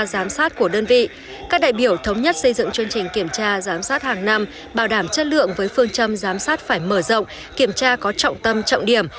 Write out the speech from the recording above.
giám sát của đơn vị các đại biểu thống nhất xây dựng chương trình kiểm tra giám sát hàng năm bảo đảm chất lượng với phương châm giám sát phải mở rộng kiểm tra có trọng tâm trọng điểm